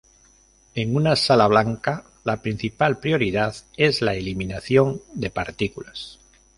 En una sala blanca la principal prioridad es la eliminación de partículas.